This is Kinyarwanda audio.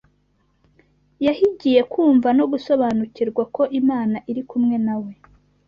Yahigiye kumva no gusobanukirwa ko Imana iri kumwe na we